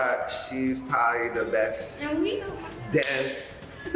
แล้วก็คือกลี๊ดกระโดดแล้วก็ยื่นโทรศัพท์ให้มุฒกาล